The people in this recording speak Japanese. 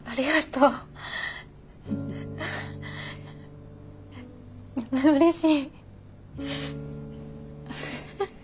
うれしい。